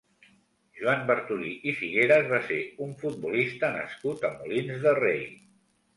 Joan Bartolí i Figueras va ser un futbolista nascut a Molins de Rei.